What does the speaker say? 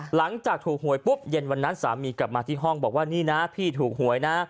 หลังจากถูกหวยปุ๊บเย็นวันนั้นสามีกลับมาที่ห้องบอกว่านี่นะพี่ถูกหวยนะ